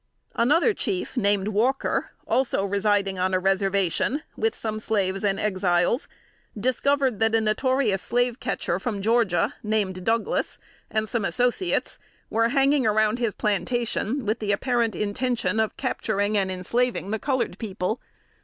Another chief named Walker, also residing on a reservation, with some slaves and Exiles, discovered that a notorious slave catcher from Georgia, named Douglass, and some associates, were hanging around his plantation, with the apparent intention of capturing and enslaving the colored people.